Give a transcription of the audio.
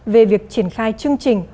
về việc triển khai chương trình